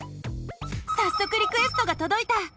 さっそくリクエストがとどいた！